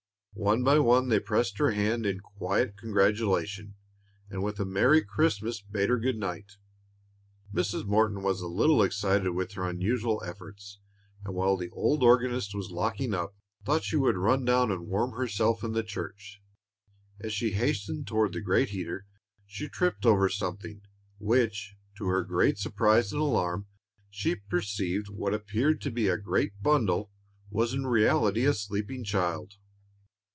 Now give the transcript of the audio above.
One by one they pressed her hand in quiet congratulation, and with a "Merry Christmas" bade her good night. Mrs. Morton was a little excited with her unusual efforts, and while the old organist was locking up, thought she would run down and warm herself in the church. As she hastened toward the great heater, she tripped over something, which, to her great surprise and alarm, she perceived what appeared to be a great bundle was in reality a sleeping child.